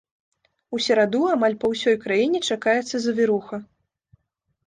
У сераду амаль па ўсёй краіне чакаецца завіруха.